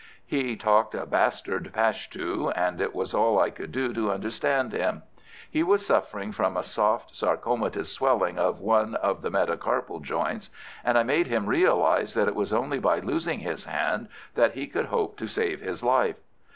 He talked a bastard Pushtoo, and it was all I could do to understand him. He was suffering from a soft sarcomatous swelling of one of the metacarpal joints, and I made him realize that it was only by losing his hand that he could hope to save his life.